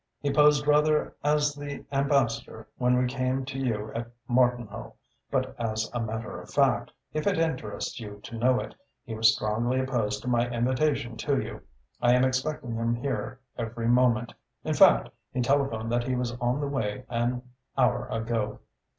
"He posed rather as the ambassador when we came to you at Martinhoe, but as a matter of fact, if it interests you to know it, he was strongly opposed to my invitation to you. I am expecting him here every moment in fact, he telephoned that he was on the way an hour ago."